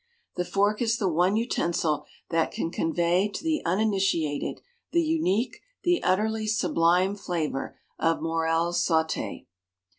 The fork is the one utensil that can convey to the uninitiated the unique, the utterly sublime flavor of Morels saute.